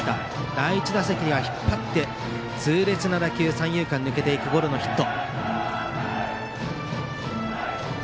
第１打席は引っ張って痛烈な打球、三遊間に抜けていくゴロのヒット。